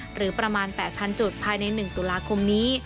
หรือประมาณ๘๐๐จุดภายใน๑ตุลาคมนี้